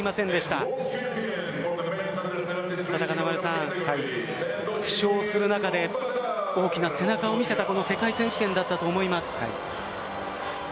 ただ金丸さん、負傷する中で大きな背中を見せたこの世界選手権だったと思います。